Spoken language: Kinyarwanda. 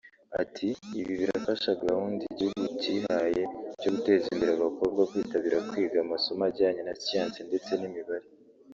Ati “Ibi birafasha gahunda igihugu cyihaye cyo gutezimbere abakobwa kwitabira kwiga amasomo ajyanye na siyanse ndetse n’imibare